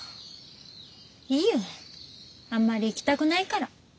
いいよあんまり行きたくないから。